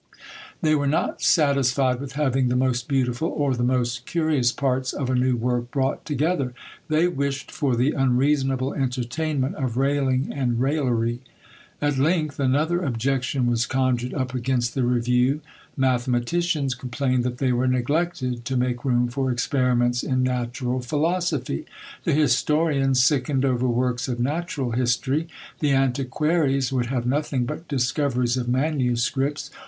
They were not satisfied with having the most beautiful, or the most curious parts of a new work brought together; they wished for the unreasonable entertainment of railing and raillery. At length another objection was conjured up against the review; mathematicians complained that they were neglected to make room for experiments in natural philosophy; the historian sickened over works of natural history; the antiquaries would have nothing but discoveries of MSS.